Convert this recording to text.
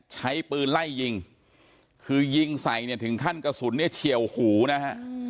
ใช้ปืนไล่ยิงคือยิงใส่เนี่ยถึงขั้นกระสุนเนี่ยเฉียวหูนะฮะ